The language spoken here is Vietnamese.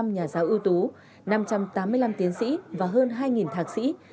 một trăm bảy mươi năm nhà giáo ưu tú năm trăm tám mươi năm tiến sĩ và hơn hai thạc sĩ